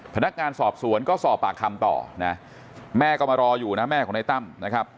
พนักงานสอบสวนก็สอบปากคำต่อนะแม่ก็มารออยู่นะแม่ของนายตั้มนะครับ